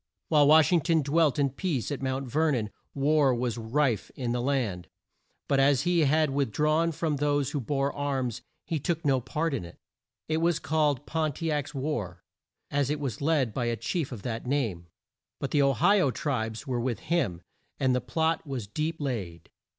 While Wash ing ton dwelt in peace at Mount Ver non, war was rife in the land, but as he had with drawn from those who bore arms he took no part in it It was called Pon ti ac's war, as it was led by a chief of that name, but the O hi o tribes were with him, and the plot was deep laid.